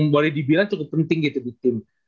boleh dibilang cukup penting gitu di tim